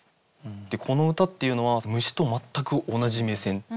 この歌っていうのは虫と全く同じ目線。